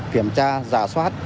kiểm tra giả soát